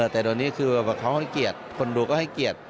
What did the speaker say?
แต่ตอนนี้คือเขาให้เกียรติคนดูก็ให้เกียรติ